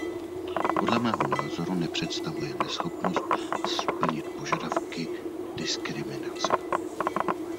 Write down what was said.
Podle mého názoru nepředstavuje neschopnost splnit požadavky diskriminaci.